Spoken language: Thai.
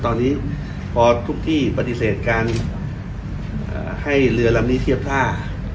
ตอนนี้พอทุกที่ปฏิเสธการให้เรือลำนี้เทียบท่า